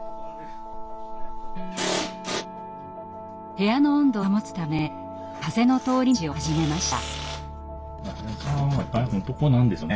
部屋の温度を保つため風の通り道を塞ぐ工事を始めました。